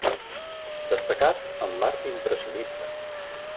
Destacat en l'art impressionista.